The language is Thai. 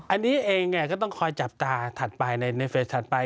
อันนี้เองก็ต้องคอยจับตาถัดไปในเฟสถัดไป